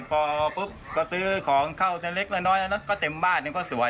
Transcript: พอปุ๊บก็ซื้อของเข้าเล็กละน้อยแล้วก็เต็มบ้านหนึ่งก็สวย